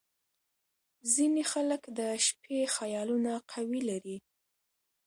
• ځینې خلک د شپې خیالونه قوي لري.